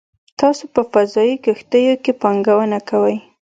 تاسو په فضايي کښتیو کې پانګونه کوئ